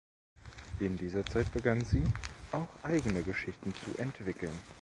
In dieser Zeit begann sie, auch eigene Geschichten zu entwickeln.